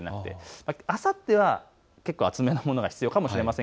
あさっては厚めのものが必要かもしれません。